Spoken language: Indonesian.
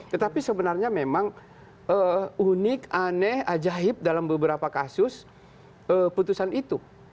tetapi sebenarnya memang unik aneh ajaib dalam beberapa kasus putusan itu